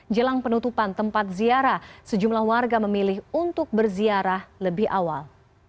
jelang penutupan tempat ziarah sejumlah warga memilih untuk berziarah lebih awal